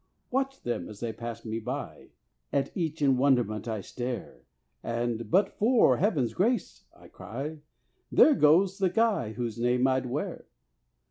I watch them as they pass me by; At each in wonderment I stare, And, "but for heaven's grace," I cry, "There goes the guy whose name I'd wear!"